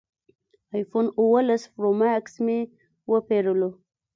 ایفون اوولس پرو ماکس مې وپېرلو